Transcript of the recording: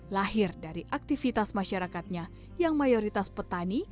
lahir dari aktivitas masyarakatnya yang mayoritas petani